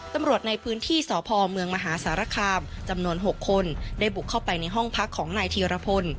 ตำรวจในพื้นที่สพเมืองมหาสารคามจำนวน๖คนได้บุกเข้าไปในห้องพักของนายธีรพล